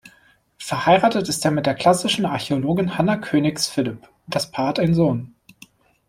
Verheiratet ist er mit der klassischen Archäologin Hanna Koenigs-Philipp, das Paar hat einen Sohn.